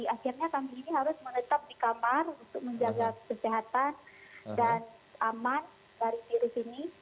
akhirnya kami ini harus menetap di kamar untuk menjaga kesehatan dan aman dari virus ini